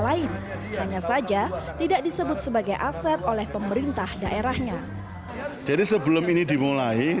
lain hanya saja tidak disebut sebagai aset oleh pemerintah daerahnya jadi sebelum ini dimulai